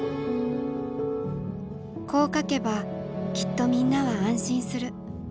こう書けばきっとみんなは安心する。